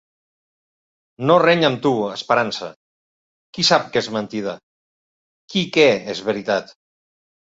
No reny amb tu, esperança; qui sap què és mentida? Qui què és veritat?